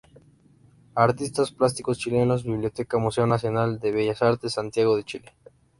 Artistas Plásticos Chilenos, Biblioteca Museo Nacional de Bellas Artes, Santiago de Chile.